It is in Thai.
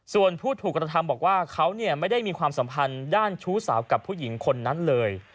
ส่วนผู้ถูกกระทำบอกว่าเขาไม่ได้มีความสัมพันธ์ด้านชู้สาวกับผู้หญิงคนนั้นเลย